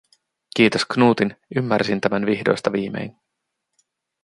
Kiitos Knutin, ymmärsin tämän vihdoista viimein.